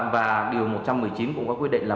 và điều một trăm một mươi chín cũng có quy định là